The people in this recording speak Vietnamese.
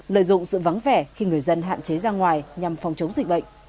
lợi dụng sự vắng vẻ khi người dân hạn chế ra ngoài nhằm phòng chống dịch bệnh